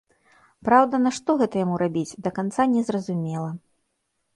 Праўда, нашто гэта яму рабіць, да канца не зразумела.